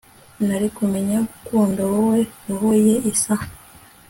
Nari kumenya kugukunda wowe roho ye isa